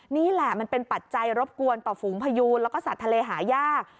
นี่แหละมันเป็นปัจจัยรบกวนต่อฝูงพยูนแล้วก็สัตว์ทะเลหายาก